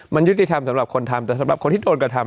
มันยุติธรรมสำหรับคนทำแต่สำหรับคนที่โดนกระทำ